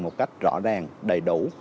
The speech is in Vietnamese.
một cách rõ ràng đầy đủ